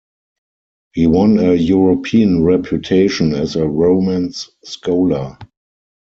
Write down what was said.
He won a European reputation as a Romance scholar.